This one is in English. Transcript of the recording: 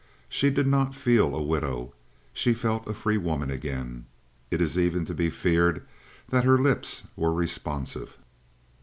She did not feel a widow; she felt a free woman again. It is even to be feared that her lips were responsive.